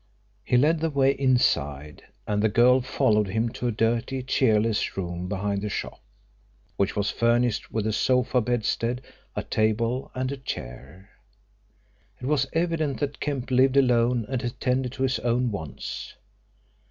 He led the way inside, and the girl followed him to a dirty, cheerless room behind the shop which was furnished with a sofa bedstead, a table, and a chair. It was evident that Kemp lived alone and attended to his own wants.